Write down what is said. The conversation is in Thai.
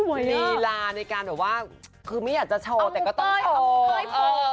ลีลาในการแบบว่าคือไม่อยากจะโชว์แต่ก็ต้องโชว์